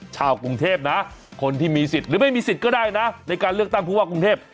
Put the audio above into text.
ชาวกรุงเทพนะคนที่มีสิทธิ์หรือไม่มีสิทธิ์ก็ได้นะในการเลือกตั้งผู้ว่ากรุงเทพ